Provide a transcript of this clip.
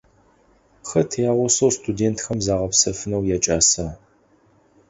Хэт ягъусэу студентхэм загъэпсэфынэу якӏаса?